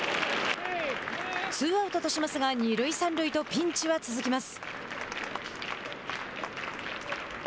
ツーアウトとしますが二塁三塁とピンチは続きます。